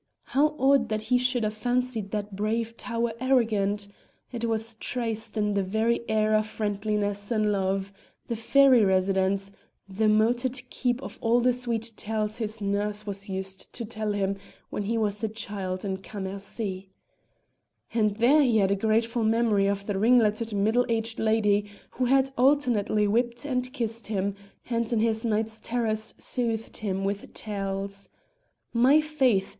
How odd that he should have fancied that brave tower arrogant; it was tranced in the very air of friendliness and love the fairy residence, the moated keep of all the sweet old tales his nurse was used to tell him when he was a child in Cam mercy. And there he had a grateful memory of the ringleted middle aged lady who had alternately whipped and kissed him, and in his night's terrors soothed him with tales. "My faith!"